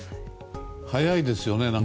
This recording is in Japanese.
早いですよね。